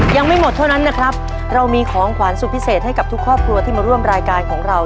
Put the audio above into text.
ยังไม่หมดเท่านั้นนะครับเรามีของขวานสุดพิเศษให้กับทุกครอบครัวที่มาร่วมรายการของเรา